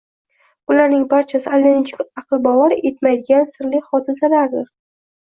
Bularning barchasi allanechuk aql bovar etmaydigan sirli hodisalardir.